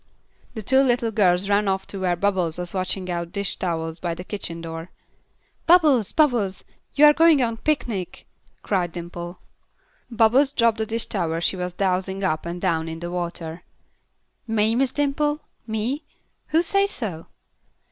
The two little girls ran off to where Bubbles was washing out dish towels by the kitchen door. "Bubbles! Bubbles! You are going on a picnic," cried Dimple. Bubbles dropped the dish towel she was dousing up and down in the water. "Me, Miss Dimple? Me? Who say so?"